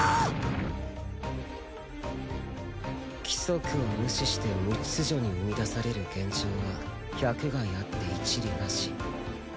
規則を無視して無秩序に生み出される現状は百害あって一利なし。